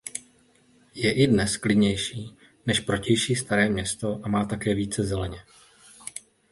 Je i dnes klidnější než protější Staré Město a má také více zeleně.